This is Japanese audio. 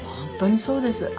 本当にそうです。